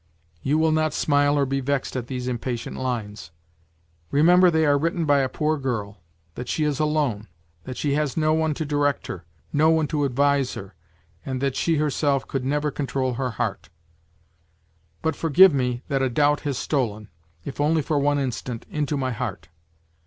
You will not smile or be vexed at these impatient lines. Remember they are written by a poor girl ; that she is alone ; that she has no one to direct her, no one to advise her, and that she herself could never control her heart. But forgive me that a doubt has stolen if only for one instant into my heart.